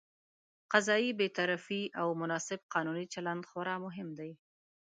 قضايي بېطرفي او مناسب قانوني چلند خورا مهم دي.